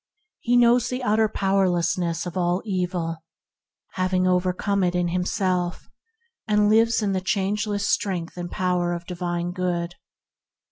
He knows the utter powerlessness of all evil, having overcome it in himself; and lives in the changeless strength and power of divine Good.